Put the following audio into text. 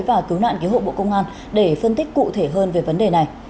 và cứu nạn cứu hộ bộ công an để phân tích cụ thể hơn về vấn đề này